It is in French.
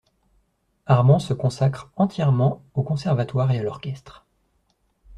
Armand se consacre entièrement au conservatoire et à l'orchestre.